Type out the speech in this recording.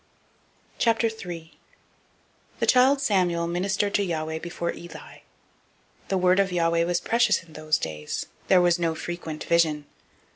003:001 The child Samuel ministered to Yahweh before Eli. The word of Yahweh was precious in those days; there was no frequent vision.